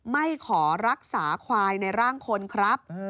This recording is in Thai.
ไม่ขอรักษาควายในร่างคนครับ